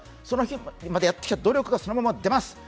その日までやってきた努力がそのまま出ます。